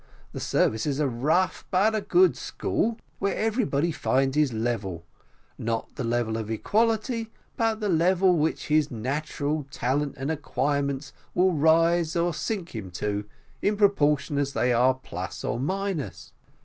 The service is a rough, but a good school, where everybody finds his level not the level of equality, but the level which his natural talent and acquirements will rise or sink him to, in proportion as they are plus or minus.